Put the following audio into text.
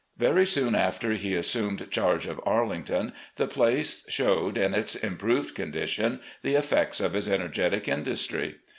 Very soon after he assumed charge of Arlington, the place showed, in its improved condition, the effects of his energetic industry.